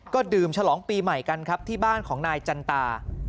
ก็ดื่มฉลองปีใหม่กันครับที่บ้านของนายจันตา